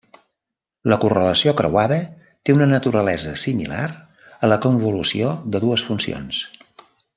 La correlació creuada té una naturalesa similar a la convolució de dues funcions.